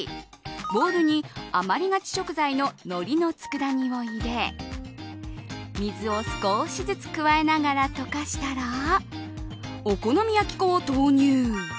ボウルに余りがち食材ののりの佃煮を入れ水を少しずつ加えながら溶かしたらお好み焼き粉を投入。